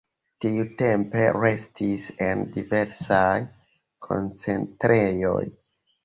Tiutempe restis en diversaj koncentrejoj.